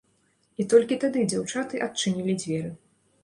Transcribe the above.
І толькі тады дзяўчаты адчынілі дзверы.